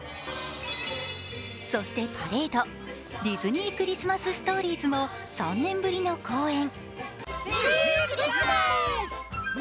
そしてパレードディズニー・クリスマス・ストーリーズも３年ぶりの公演。